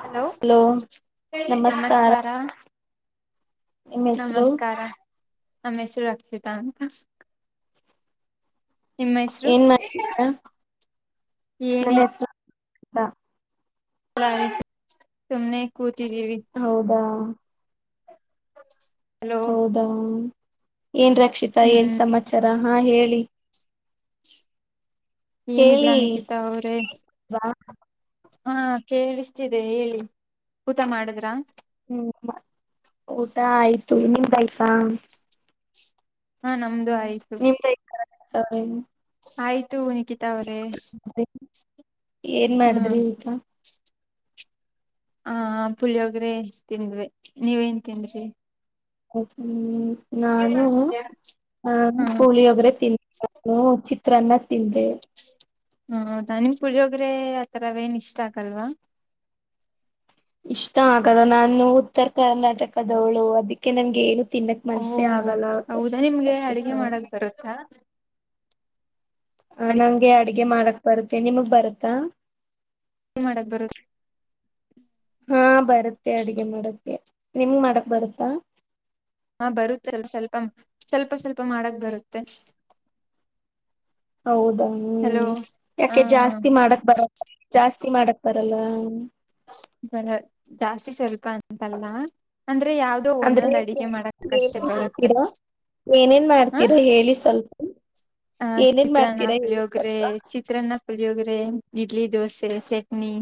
Hello ನಮಸ್ಕಾರ ನಿಮ್ಮ್ ಹೆಸರು ನಮಸ್ಕಾರ ನಮ್ಮ ಹೆಸರು ರಕ್ಷಿತ ಅಂತ ನಿಮ್ಮ ಹೆಸರು ಏನ್ ಮಾಡ್ತೀರಾ ನನ್ನ ಏನಿಲ್ಲ ಹೆಸರು ಅಂತ ಸುಮ್ನೆ ಕೂತಿದ್ದೀವಿ ಹೌದಾ [inaudible] ಹೌದಾ ಏನ್ ರಕ್ಷಿತಾ ಏನ್ ಹ್ಮ್ ಸಮಾಚಾರ ಹಾ ಹೇಳಿ ಏನಿಲ್ಲ ಹೇಳಿ ನಿಕಿತಾ ಅವ್ರೇ ವಾ ಹಾ ಕೇಳಿಸ್ತಿದೆ ಹೇಳಿ ಊಟ ಮಾಡಿದ್ರ ಹ್ಮ್ ಊಟ ಆಯ್ತು ನಿಮ್ದಯ್ತ ಹಾ ನಮ್ದು ಆಯ್ತು [unintelligible] ಆಯ್ತು ನಿಕಿತ ಅವ್ರೇ ಏನ್ ಮಾಡಿದ್ರಿ ಹ್ಮ್ ಊಟ ಹ ಪುಳಿಯೋಗ್ರೆ ತಿಂದ್ವಿ ನೀವೇನ್ ತಿಂದ್ರಿ ಹ್ಮ ನಾನು ಆ ಹ್ಮ್ ಹ ಪುಳಿಯೋಗರೆ ತಿಂದಿ ಚಿತ್ರಾನ್ನ ತಿಂದೆ ಹ ಹೌದಾ ನಿಮ್ ಪುಳಿಯೋಗ್ರೆ ಆತರವೇನ್ ಇಷ್ಟ ಆಗಲ್ವಾ ಇಷ್ಟ ಆಗಲ್ಲ ನಾನು ಉತ್ತರ ಕರ್ನಾಟಕದವಳು ಅದಕ್ಕೆ ನನ್ಗೆ ಏನು ತಿನ್ನಕ್ ಓ ಮನ್ಸಿ ಆಗಲ್ಲ ಹೌದಾ ನಿಮ್ಗೆ ರಕ್ಷಿತ ಅಡಿಗೆ ಮಾಡಕ್ ಬರುತ್ತಾ ನಂಗೆ ಅಡ್ಗೆ ಮಾಡಕ್ ಬರುತ್ತೆ ನಿಮಗ್ ಬರುತ್ತಾ ಮಾಡಾಕ್ ಬರುತ್ತೆ ಹಾ ಬರುತ್ತೆ ಅಡಗೆ ಮಾಡಕ್ಕೆ ನಿಮ್ಗೆ ಮಾಡಕ್ ಬರುತ್ತಾ ಹಾ ಬರುತ್ತೆ ಸ್ವಲ್ಪ ಸ್ವಲ್ಪ ಸ್ವಲ್ಪ ಮಾಡಕ್ ಬರುತ್ತೆ ಹೌದಾ ಹಲೋ ಹ್ಮ್ ಹ ಯಾಕೆ ಜಾಸ್ತಿ ಮಾಡಕ್ ಬರಲ್ವ ಜಾಸ್ತಿ ಮಾಡಕ್ ಬರಲ್ಲ ಜಾಸ್ತಿ ಸ್ವಲ್ಪ ಅಂತಲ್ಲ ಅಂದ್ರೆ ಯಾವ್ದ ಇದು ಅಂದ್ರೆ ಒಂದೊಂದು್ ಅಡಿಗೆ ಮಾಡಕ್ ಕಷ್ಟ ಏನೇನ್ ಆಗುತ್ತೆ ಮಾಡ್ತೀರಾ ಏನೇನ್ ಹಾ ಮಾಡ್ತೀರಾ ಹೇಳಿ ಸ್ವಲ್ಪ ಆ ಏನೇನ್ ಚಿತ್ರನ್ನ ಮಾಡ್ತೀರಾ ಹೇಳಿ ಪುಳಿಯೋಗರೆ ಸ್ವಲ್ಪ ಚಿತ್ರಾನ್ನ ಲಪುಳಿಯೋಗರೆ ಇಡ್ಲಿ ದೋಸೆ ಚಟ್ನಿ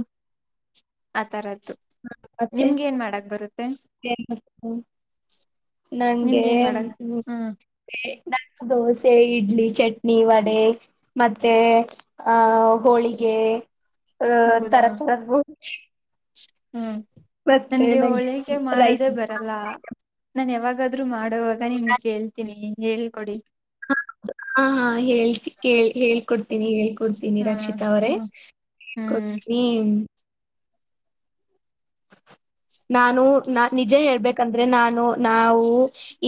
ಆತರದ್ದು ಹ ಮತ್ತೆ [unintelligible] ನಂಗೆ ನಿಮ್ಗೆ ಏನ್ ಮಾಡಕ್ ಹ್ಮ ನ ದೋಸೆ ಇಡ್ಲಿ ಚಟ್ನಿ ವಡೆ ಮತ್ತೆ ಹ ಹೋಳಿಗೆ ಹ ಹೌದಾ ತರತರದ ಹ್ಮ್ ನನ್ಗೆ ನಂಗೆ ಹೋಳಿಗೆ ರೈಸ್ ಮಾಡೋದೇ ಬರ ಲ್ಲ ನಾನ್ ಯಾವಾಗಾದ್ರೂ ಮಾಡೋವಾಗ ನಿಮ್ ಕೇಳ್ತೀನಿ ಹೇಳ್ಕೊಡಿ ಹ ಹ ಹಾ ಹೇಳ್ತಿ ಕೇಳಿ ಹೇಳ್ಕೊಡ್ತೀನಿ ಹ ಕೊಡ್ತೀನಿ ಹಾ ರಕ್ಷಿತಾ ಅವರೇ ಹೇಳ್ ಹ್ಮ್ ಕೊಡ್ತೀನಿ ನಾನು ನಾ ನಿಜ ಹೇಳ್ಬೇಕಂದ್ರೆ ನಾನು ನಾವು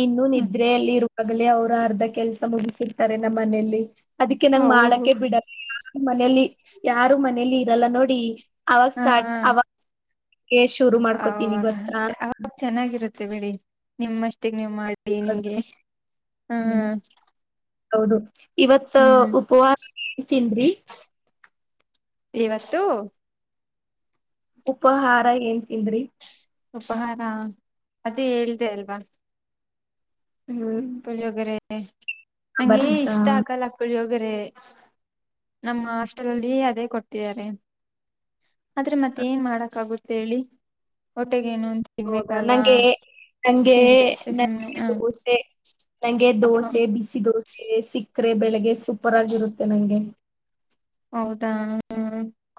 ಇನ್ನು ಹ್ಮ್ ನಿದ್ರೆಯಲ್ಲಿರು ಆಗಲೇ ಅವ್ರು ಅರ್ಧ ಕೆಲ್ಸ ಮುಗಿಸಿರ್ತಾರೆ ನಮ್ಮ್ ಮನಲಿ ಅದಕ್ಕೆ ನಂಗ್ ಹೌ ಮಾಡಕೆ ಬಿಡ ಮನೇಲಿ ಯಾರು ಮನೇಲಿ ಇರಲ್ಲ ನೋಡಿ ಅವಾಗ ಸ್ಟಾರ್ಟ್ ಅವಾಗ ಹ ಅವ ಚೆನ್ನಾಗಿರುತ್ತೆ ಬಿಡಿ ನಿಮ್ಮಷ್ಟಿಗೆ ನೀವು ಮಾಡಿ ಬೆಏ ನಿಮ್ಗೆ [inaudible] ಹಾ ಹೌದು ಇವತ್ ಉಪವಾಸ ಇರ್ತಿದ್ವಿ ಇವತ್ತು. ಉಪಹಾರ ಏನ್ ತಿಂದ್ರಿ? ಉಪಹಾರ ಅದೇ ಹೇಳ್ದ ಅಲ್ವಾ? ಹ್ಮ್ ಪುಳಿಯೋಗರೆ [inaudible] ನಂಗೆ ಬರುತ್ತಾ ಇಷ್ಟ ಆಗಲ್ಲ ಪುಳಿ ಹೋಗರೆ [inaudible] ನಮ್ಮ ಹಾಸ್ಟೆಲ್ ಅಲ್ಲಿ ಅದೇ ಕೊಡ್ತಿದ್ದಾರೆ. ಆದ್ರೆ ಮತ್ತೆ ಏನ್ ಮಾಡಕ್ಗುತ್ತ ಹೇಳಿ ಹೊಟ್ಟಗೇನು ಅಂತ ಹೌದಾ ತಿನ್ಬೇಕಲ್ವಾ ನಂಗೆ ನಂಗೆ ತಿಂದೆ ಅಷ್ಟೇ ನ ಸುಮ್ನೆ ಹ ಊಟೆ ನಂಗೆ ದೋಸೆ ಬಿಸಿ ದೋಸೆ ಸಿಕ್ಕರೆ ಬೆಳಿಗ್ಗೆ ಸೂಪರ್ ಆಗರುತ್ತೆ ನಂಗೆ ಹೌದಾ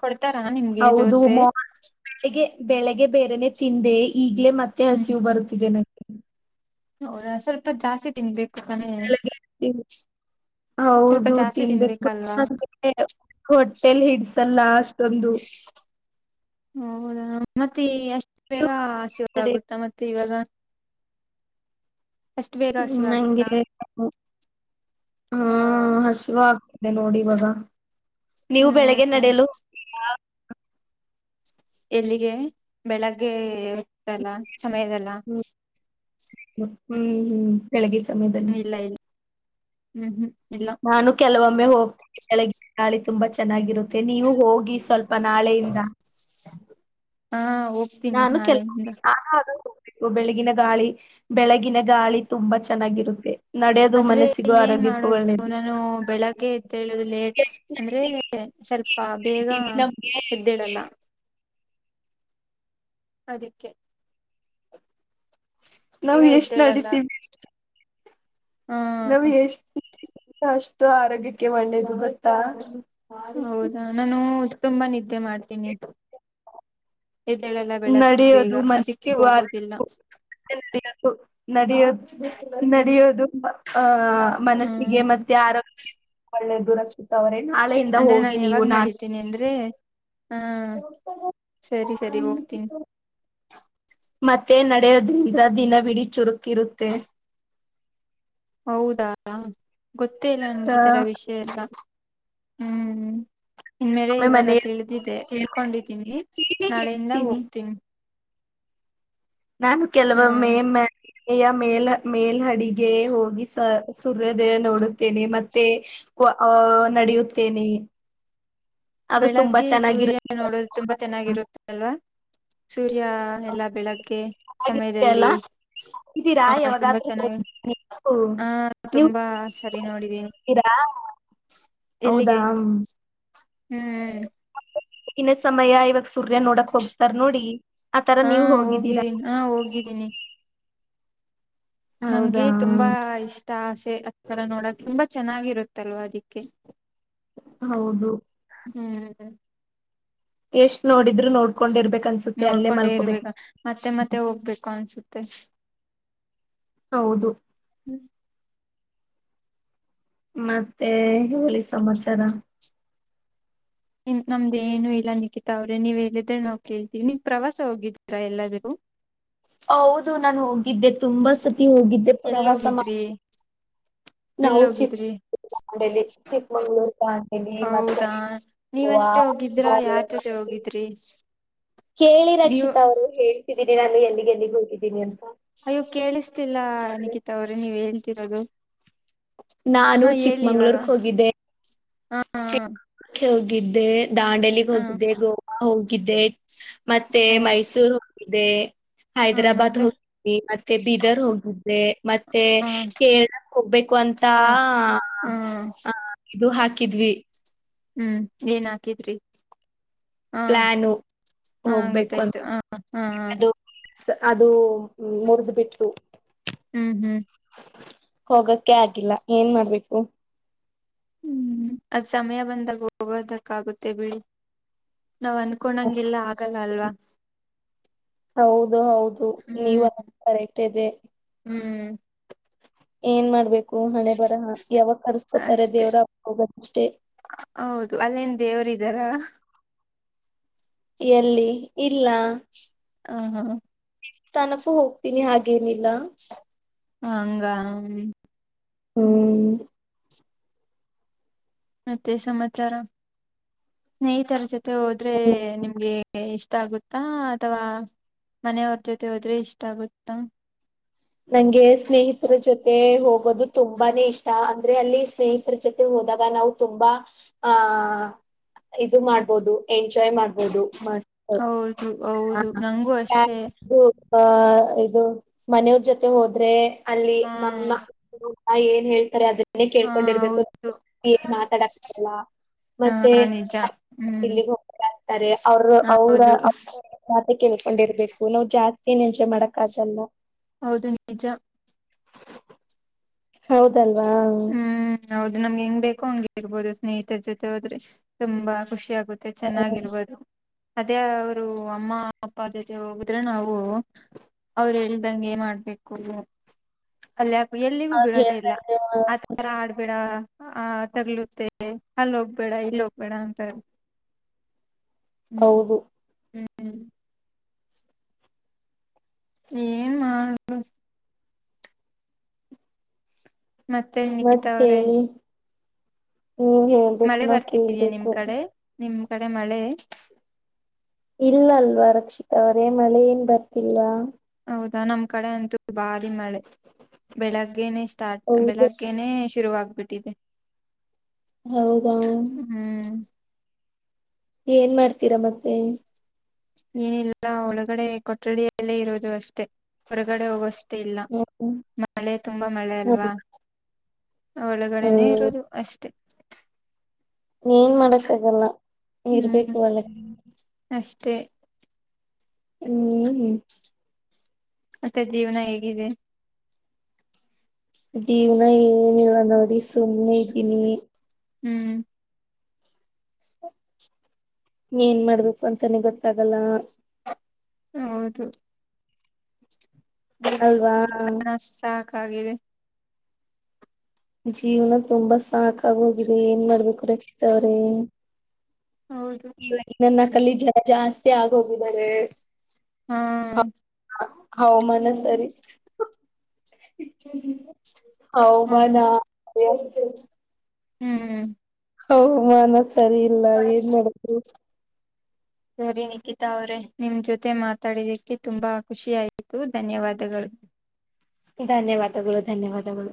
ಕೊಡ್ತಾರಾ ನಿಮ್ಗೆ ಹೌದು ದೋಸೆ ಮಾರ್ನಿಂಗ್ ಬೆಳ್ಳಿಗೆ ಬೆಳಿಗ್ಗೆ ಬೇರೆನೆ ತಿಂದೆ ಈಗ್ಲೇ ಮತ್ತೆ ಮತ್ತೆ ಹಸಿವು ಬರುತಿದೆ ನಂಗೆ ಹೌದ ಸ್ವಲ್ಪ ಜಾಸ್ತಿ ತಿನ್ಬೇಕು. ತಾನೆ ಬೆಳ್ಳಿಗೆ [unintelligible] ಸ್ವಲ್ಪ ಹೌದು ಜಾಸ್ತಿ ತಿನ್ಬೇಕು ತಿನ್ಬೇಕಲ್ವಾ [unintelligible] [unintelligible] ಹೊಟ್ಟೇಲಿ ಹಿಡ್ಸಲ್ಲ ಅಷ್ಟೊಂದು ಹೌದಾ ಮತ್ತೆ ಎಷ್ಟ ಬೇಗ ನೀವು ಕಡೆ ಹಸಿವಾಗುತ್ತಾ ಮತ್ತೆ ಇವಾಗ್ [inaudible] ತಿ [inaudible] ನಂಗೆ [inaudible] ಹಾ ಹಾಹಸಿವ ಆಗ್ತದೆ ನೋಡಿ ಇವಾಗ [inaudible] ನೀವು ಬೆಳಿಗ್ಗೆ ಹ್ಮ್ ನಡೆಯಲು ಹೋಗ್ತೀರಾ? ಎಲ್ಲಿಗೆ [inaudible] ಬೆಳಗ್ಗೆ ಏಳತಿಲ್ಲ್ ಸಮಯದಲ್ಲ ಹ್ಮ್ [inaudible] ಹ್ಮ್ ಹ್ಮ್ ಬೆಳಗ್ಗೆ ಸಮಯದಲ್ಲಿ. ಇಲ್ಲ ಇಲ್ಲ [inaudible] ಹ್ಮ್ ಹ್ಮ್ ಇಲ್ಲ ನಾನು ಕೆಲವೊಮ್ಮೆ ಹೋಗ್ತೇನೆ ಬೆಳಗಿನ ಗಾಳಿ ತುಂಬಾ ಚೆನ್ನಾಗಿರುತ್ತೆ ನೀವು ಹೋಗಿ ಸ್ವಲ್ಪ ಬಾ ನಾಳೆಯಿಂದ. [inaudible] ಹಾ ಹೋಗತಿನಿ ನಾನು ಕೆಲ [unintelligible] ಬೆಳಗಿನ ಗಾಳಿ ಬೆಳಗಿನ ಗಾಳಿ ತುಂಬಾ ಚೆನ್ನಾಗಿರುತ್ತೆ. ನಡೆಯೋದು ಆದ್ರೆ ಮನಸ್ಸಿಗೂ ಏನ್ ಆರೋಗ್ಯಕ್ಕೂ ಮಾಡೋದು ಒಳ್ಳೇದು ನಾನು ಬೆಳಗ್ಗೆ ಎದ್ದ ಹೇಳುದು ಲೇಟ್ ಎಷ್ಟ್ ಅಂದ್ರೆ ನಡಿತೀವಿ ಸ್ವಲ್ಪ ಎಷ್ಟ್ ಬೇಗ ನಡಿತೀವಿ ನಮ್ಗೆ ಎದ್ದೇಳಲ್ಲ. ಅದಕ್ಕೆ. ನಾವು ಬೇಗ ಎಷ್ಟ್ ಎದ್ದೇಳಲ್ಲ ನಡೀತೀವಿ ಹ ನಾವ ಎಷ್ಟು ಅಷ್ಟು ಆರೋಗ್ಯಕ್ಕೆ ಒಳ್ಳೇದ್ ಗೊತ್ತಾ? ಹೌದಾ ನಾನು ತುಂಬಾ ನಿದ್ದೆ ಮಾಡ್ತೀನಿ [inaudible] ಎದ್ದಳೆಲ್ಲ ಬೆಳಿಗ್ಗೆ ಬೇಗ ನಡೆಯೋದು ಅದಕ್ಕೆ ಮನಸ್ಸಿಗೂ ಹೋಗೋದಿಲ್ಲ. [unintelligible] ನಡೆಯೋದು ನಡೆಯೋದು ಆಹ ಮನಸ್ಸಿಗೆ ಹ್ಮ್ ಮತ್ತೆ ಆರೋಗ್ಯಕ್ಕೆ ಒಳ್ಳೆದು ರಚಿತಾ ಅವರೇ ನಾಳೆಯಿಂದ ಹೋಗಿ ನೀವು ನಾನ್ ಬರತೀನಿ ಅಂದ್ರೆ ಹಾ ಸರಿ ಸರಿ ಹೋಗ್ತೀನಿ. ಮತ್ತೆ ನಡೆಯೋದ್ರಿಂದ ದಿನ ವಿಡಿ ಚುರುಕ್ ಇರುತ್ತೆ. ಹೌದಾ ಗೊತ್ತೇ ಇಲ್ಲ ಆ, ನನ್ಗೆ ಈ ತರ ವಿಷಯ ಎಲ್ಲ ಹ್ಮ್ ಇನ್ ಮೇಲೆ ಒಮ್ಮೆ ಇವಾಗ ಮನೆಯ ತಿಳಿದಿದೆ ಮೇಲೆ ತಿಳ್ಕೊಂಡಿದ್ದೀನಿ ಹೀಗೆ ನಾಳೆಯಿಂದ ಹೇಳ್ತೀನಿ ಹೋಗ್ತೀನಿ ನಾನು ಕೆಲವೊಮ್ಮೆ ಹ್ಮ್ ಏನ್ ಮಾಡ್ತೀನಿ ಮೆಯ ಮೇಲ್ ಮೇಲ್ಹಡಿಗೆ ಹೋಗಿ ಸ ಸೂರ್ಯೋದಯ ನೋಡುತ್ತೇನೆ ಮತ್ತೆ ಆಹ ನಡೆಯುತ್ತೇನೆ ಅದು ತುಂಬಾ ಬೆಳಗ್ಗೆ ಸೂರ್ಯ ಚೆನ್ನಾಗಿರುತ್ತೆ ನೋಡೋದು ತುಂಬಾ ಚೆನ್ನಾಗಿರುತ್ತೆ ಅಲ್ವಾ ಸೂರ್ಯ ಎಲ್ಲಾ ಬೆಳಗ್ ಕೆ ಹಾಗಿರುತ್ತೆ ಅಲ್ಲ ಸಮಯದಲ್ಲಿ ಹೋಗಿದ್ದೀರಾ ಹ ತುಂಬಾ ಯಾವಾಗಾದ್ರೂ ಚೆನ್ನಾಗಿ ನೋಡಿದೀರಾ ನೀವು ಹಾ ನೀವು ತುಂಬಾ ಸರಿ ನೋಡಿದೀನಿ ಹೋಗಿದ್ದೀರಾ ಎಲ್ಲಿಗೆ ಹೌದಾ ಹ್ಮ್ ಇನ್ನ ಸಮಯ ಇವಾಗ ಸೂರ್ಯ ನೋಡಕ್ ಹೋಗ್ತಾರ ನೋಡಿ ಆತರ ಹಾ ನೀವ್ ಹೋಗಿದ್ದೀರಾ ಹೋಗಿದ್ದೀನಿ ಹಾ ಹೋಗಿದ್ದೀನಿ ನಂಗೆ ಹೌದಾ ತುಂಬಾ ಇಷ್ಟ ಆಸೆ ಹಥರಾ ನೋಡಕ್ ತುಂಬಾ ಚೆನ್ನಾಗಿರುತ್ತಲ್ವಾ ಅದಿಕ್ಕೆ ಹೌದು ಹ್ಮ್ಂ ಎಷ್ಟ್ ನೋಡಿದ್ರರು ನೋಡ್ಕೊಂಡಿರ್ಬೇಕ್ ಅನ್ಸುತ್ತೆ ಅಲ್ಲೇ ನೋಡ್ಕೊಂಡೆ ಮಲ್ಕೋಬೇಕು ಇರ್ಬೇಕ ಮತ್ತೆ ಮತ್ತೆ ಹೋಗ್ಬೇಕು ಅನ್ಸುತ್ತೆ ಹೌದು ಮತ್ತೆ ಹೇಳಿ ಸಮಾಚಾರ ನಮ್ದ ಏನು ಇಲ್ಲ ನಿಕಿತಾ ಅವ್ರೆ ನೀವ್ ಹೇಳಿದ್ರೆ ನಾವು ಕೇಳ್ತೀವಿ ನೀವ ಪ್ರವಾಸ ಹೋಗಿದ್ದೀರಾ ಎಲ್ಲಾದರೂ ಹೌದು ನಾನು ಹೋಗಿದ್ದೆ ತುಂಬಾ ಸತಿ ಹೋಗಿದ್ದೆ ಪ್ರವಾಸ ಮಾಡ ಎಲ್ಲಿ ಹೋಗಿದ್ರಿ ಚಿಕ್ಕಮಂಗ್ಳೂರ್ ದಾಂಡೇಲಿ ಮತ್ತೆ ಹೌದಾ ಗೋವಾ ನೀವಷ್ಟೇ ಹೋಗಿದ್ರ ಯಾರ್ ಜೊತೆ ಗೋವಾ ಹೋಗಿದ ತ್ರೀ ಕೇಳಿ ರಕ್ಷಿತಾ ಅವರೇ ಹೇಳ್ತಿದ್ದೀನಿ ನಾನು ಎಲ್ಲಿಗೆ ಎಲ್ಲಿಗ್ ಹೋಗಿದ್ದೀನಿ ಅಂತ ಅಯ್ಯೋ ಕೇಳಿಸ್ತಿಲ್ಲಾ ನಿಕಿತಾ ಅವ್ರೇ ನೀವ್ ಹೇಳ್ತಿರೋದು ನಾನು ಹಾ ಹೇಳಿ ಇವಾಗ ಚಿಕ್ಕಮಂಗಳೂರು ಕೇ ಹೋಗಿದ್ದೆ ಹಾ ಹಾ ಹೋಗಿದ್ದೆ ದಾಂಡೇಲಿ ಗೆ ಹಾ ಹೋಗಿದ್ದೆ ಗೋವಾ ಹೋಗಿದ್ದೆ ಮತ್ತೆ ಹಾ ಮೈಸೂರ್ ಹೋಗಿದೆ ಹಾ ಹೈದ್ರಾಬಾದ್ ಮತ್ತೆ ಹೋಗಿದ್ದೆ ಮತ್ತೆ ಬೀದರ್ ಹೋಗಿದ್ದೆ ಮತ್ತೆ ಹಾ ಕೇರಳ ಹೋಗ್ಬೇಕು ಅಂತಾ ಹ್ಮ ಇದು ಹಾಕಿದ್ವಿ ಹ್ಮ್ ಏನ್ ಹಾಕಿದ್ರಿ ಹಾ ಪ್ಲಾನು ಹಾ ಹೋಗ್ಬೇಕು ಅಂತ ಗೊತ್ತಾಯ್ತು ಹ ಹಾ ಹಾ ಅದು ಅದು ಮುರಿದ್ ಬಿತ್ತು ಹ್ಮ್ ಹ್ಮ್ ಹೋಗಕ್ಕೆ ಆಗಿಲ್ಲ ಏನ್ ಮಾಡ್ಬೇಕು ಹ್ಮ್ ಅದ್ ಸಮಯ ಬಂದಾಗ ಹೋಗೋದಕ್ಕ ಆಗುತ್ತೆ ಬಿಡಿ ನಾವ್ ಅನಕೋಂಡಂಗಗೆಲ್ಲಾ ಆಗಲ್ಲ ಅಲ್ವಾ ಹೌದು ಹೌದು ನೀವ ಹ್ಮ್ ಕರೆಕ್ಟ್ ಇದೆ ಹ್ಮ್ ಏನ್ ಮಾಡ್ಬೇಕು ಹಣೆ ಬರಹ ಯಾವಾಗ ಕರ್ಸ್ಕೊತಾರೆ ಅಷ್ಟೆ ದೇವ್ರ ಅವಾಗ ಹೋಗೋದ ಅಷ್ಟೇ ಹೌದು ಅಲ್ಲೆನ ದೇವರು ಇದಾರಾ ಎಲ್ಲಿ ಇಲ್ಲ. ಹ ಹಾಂ ತನುಪು ಹೋಗ್ತೀನಿ ಹಾಗೇನಿಲ್ಲ. ಹಂಗಾ. ಹೂ. ಮತ್ತೆ ಸಮಚಾರ ಸ್ನೇಹಿತರ ಜೊತೆ ಹೋದ್ರೇ ನಿಮ್ಗೆ ಇಷ್ಟ ಆಗುತ್ತಾ ಅಥವಾ ಮನೆಯವ್ರ್ ಜೊತೆ ಹೋದ್ರೆ ಇಷ್ಟ ಆಗುತ್ತಾ. ನಂಗೆ ಸ್ನೇಹಿತ್ರ್ ಜೊತೆ ಹೋಗೋದು ತುಂಬಾನೇ ಇಷ್ಟ ಅಂದ್ರೆ ಅಲ್ಲಿ ಸ್ನೇಹಿತ್ರ್ ಜೊತೆ ಹೋದಾಗ ನಾವು ತುಂಬ ಆ ಇದು ಮಾಡ್ಬೋದು ಎಂಜಾಯ್ ಮಾಡ್ಬೋದು ಮಸ್ತ್ ಹೌದು ಹೌದು ನಂಗು ಅಷ್ಟೇ. ಹಾ ಇದು ಮನೆವ್ರ್ ಜೊತೆ ಹೋದ್ರೆ ಅಲ್ಲಿ ಹಾ ನಮ್ಮ [inaudible] ಅ ಏನ್ ಹೇಳ್ತರೆ ಅದನ್ನೇ ಹಾ ಕೇಳ್ಕೊಂಡ್ ಇರ್ಬೆಕು ಹೌದು ಏನ್ ಮಾತಾಡಕ್ ಆಗಲ್ಲ. ಹಾ ಮತ್ತೆ ನಿಜ [inaudible] ಹ್ಮ್ ಎಲ್ಲಿಗ್ ಹೋಗ್ತಿರ ಅಂತರೆ ಅವ್ರ್ ಅವ್ರ ಹೌದು ಅವ್ರ ಮಾತೆ ಕೇಳ್ಕೊಂಡ್ ಇರ್ಬೇಕು ನಾವ್ ಜಾಸ್ತಿ ಏನ್ ಎಂಜಾಯ್ ಮಾಡಕ್ ಆಗಲ್ಲ. ಹೌದು ನಿಜ. ಹೌದಲ್ವಾ. ಹ್ಮ್ ಹೌದು ನಮ್ಗ್ ಹೆಂಗ್ ಬೇಕೋ ಹಂಗ್ ಇರ್ಬೋದು ಸ್ನೇಹಿತ್ರ್ ಜೊತೆ ಹೋದ್ರೆ ತುಂಬಾ ಖುಷಿ ಆಗು ತ್ತೆ ಚೆನ್ನಾಗಿರ್ಬೋದು ಅದೇ ಅವ್ರು ಅಮ್ಮ ಅಪ್ಪ ಜೊತೆ ಹೋಗುದ್ರೆ ನಾವೂ. ಅವ್ರ್ ಹೇಳ್ದಂಗೆ ಮಾಡ್ಬೇಕೂ ಅಲ್ ಯಾಕ್ ಎಲ್ಲಿಗೂ ಅವ್ರ್ ಬಿಡದೆ ಇಲ್ಲ. ಹೇಳ್ದಂಗೆ ಮಾ- ರ ಆಡ್ಬೇಡ ಆ ತಗ್ಲುತ್ತೆ ಅಲ್ ಹೋಗ್ಬೇಡ ಇಲ್ ಹೋಗ್ಬೇಡ ಅಂತರೆ. ಹ್ಮ್ ಹೌದು ಹ್ಮ್. ಏನ್ ಮಾಡ್ ಮತ್ತೆ ಮತ್ ನಿಖಿತಾ ಅವ್ರೆ ಹೇಳಿ ನೀವ್ ಹೇಳ್ಬೇಕು ಮಳೆ ನಾವ್ ಬರ್ತಿದಯಾ ನಿಮ್ ಕೇಳ್ಬೇಕು. ಕಡೆ ನಿಮ್ ಕಡೆ ಮಳೆ. ಇಲ್ ಅಲ್ವಾ ರಕ್ಷಿತ ಅವರೆ ಮಳೆ ಏನ್ ಬರ್ತಿಲ್ಲ. ಹೌದ ನಮ್ ಕಡೆ ಅಂತು ಭಾರಿ ಮಳೆ ಬೆಳಗ್ಗೆನೆ ಸ್ಟಾರ್ಟ್ ಹೌದು ಬೆಳಗ್ ಗೆನೇ ಶುರುಆಗ್ಬಿಟ್ಟಿದೆ. ಹೌದಾ. ಹ್ಮ್. ಏನ್ ಮಾಡ್ತೀರ ಮತ್ತೆ. ಏನಿಲ್ಲ ಒಳಗಡೆ ಕೊಠಡಿಯಲ್ಲೇ ಇರೋದು ಅಷ್ಟೇ ಹೊರಗಡೆ ಹೋಗೋಸ್ಟ್ ತಿಲ್ಲ ಹ ಮಳೆ ತುಂಬ ಮಳೆ ಅಲ್ವಾ. ಒಳಗಡೆನೆೇ ಹ್ಮ್ ಇರೋದು ಅಷ್ಟೇ. ಏನ್ ಮಾಡಕ್ ಆಗಲ್ಲ ಹ್ಮ್ ಇರ್ಬೇಕು ಒಳ್ಳೆ ಅಷ್ಟೇ. ಹ್ಮ್ ಹ್ಮ್. ಮತ್ತೆ ಜೀವನ ಹೇಗಿದೆ. ಜೀವ್ನ ಏನೀಲ್ಲ ನೋಡಿ ಸುಮ್ನೆ ಇದ್ದೀನಿ. ಹ್ಮ್. ಏನ್ ಮಾಡ್ಬೇಕು ಅಂತನೆ ಗೊತ್ತಗಲ್ಲ. ಹೌದು. ಹ್ಮ್ ಅಲ್ವಾ ಜೀವನ ಸಾಕಾಗಿದೆ. ಜೀವ್ನ ತುಂಬ ಸಾಕಾಗ್ ಹೋಗಿದೆ ಏನ್ ಮಾಡ್ಬೇಕು ರಕ್ಷಿತ ಅವ್ರೇ. ಹೌದು. ಇವಾಗ್ ಏನನಾ ಕಲ್ಲಿ ಜನ ಜಾಸ್ತಿ ಆಗ್ ಹೋಗಿದ್ದರೇ. ಹ್ಮ್ ಹವಾಮಾನ ಸರಿ ಹಾ ಹವಾಮಾನ [unintelligible] ಹ್ಮ್ ಹ್ಮ್ ಹವಾಮಾನ ಸರಿ ಇಲ್ಲ ಏನ್ ಮಾಡದು. ಸರಿ ನಿಖಿತಾ ಅವ್ರೇ ನಿಮ್ ಜೊತೆ ಮಾತಾಡಿದಕ್ಕೆ ತುಂಬಾ ಖುಷಿ ಆಯ್ತು ಧನ್ಯವಾದಗಳು. ಧನ್ಯವಾದಗಳು ಧನ್ಯವಾದಗಳು.